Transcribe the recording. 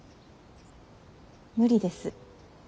無理です。